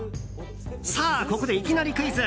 ここでいきなりクイズ。